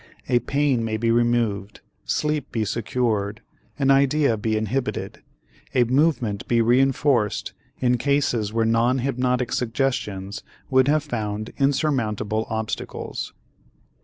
A pain may be removed, sleep be secured, an idea be inhibited, a movement be reënforced in cases where non hypnotic suggestions would have found insurmountable obstacles.